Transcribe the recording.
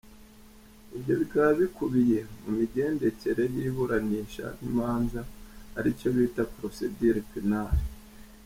Ibyo bikaba bikubiye mu migendekere y’iburanisha n’imanza aricyo bita procédure pénal.